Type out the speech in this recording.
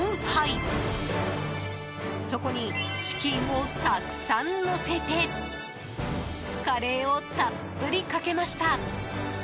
そこにチキンをたくさんのせてカレーをたっぷりかけました。